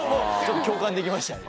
共感できましたね。